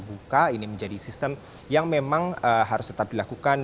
sistem proporsional terbuka ini menjadi sistem yang memang harus tetap dilakukan